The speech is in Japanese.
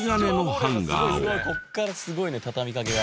ここからすごいね畳み掛けが。